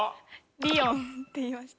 リヨンって言いました。